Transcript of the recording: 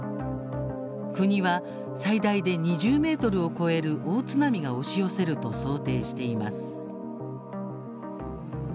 国は、最大で２０ｍを超える大津波が押し寄せると想定しています。